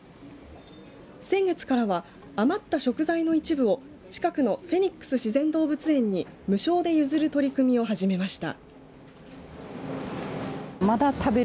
先月からは余った食材の一部を近くのフェニックス自然動物園に無償で譲る取り組みを始めました。